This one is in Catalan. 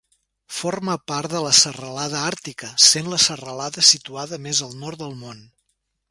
Forma part de la Serralada Àrtica, sent la serralada situada més al nord del món.